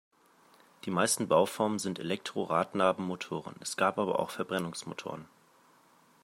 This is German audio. Die meisten Bauformen sind Elektro-Radnabenmotoren, es gab aber auch Verbrennungsmotoren.